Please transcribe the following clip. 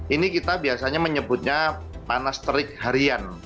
ini kita biasanya menyebutnya panas terik harian